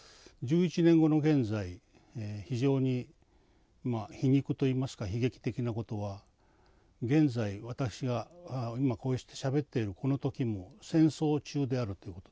１１年後の現在非常に皮肉といいますか悲劇的なことは現在私が今こうしてしゃべってるこの時も戦争中であるということです。